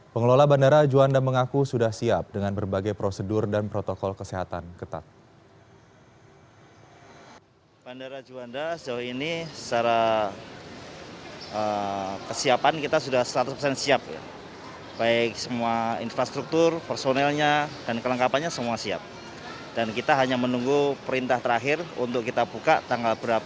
pengelola bandara juanda mengaku sudah siap dengan berbagai prosedur dan protokol kesehatan